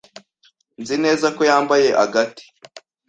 Nzi neza ko yambaye agati.